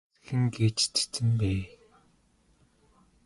Энэ бас хэн гээч цэцэн бэ?